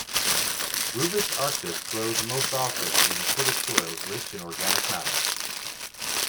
"Rubus arcticus" grows most often in acidic soils rich in organic matter.